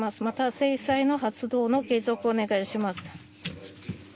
また、制裁の発動の継続をお願いします。